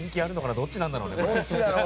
どっちだろうね。